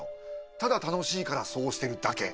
ただ楽しいからそうしてるだけ。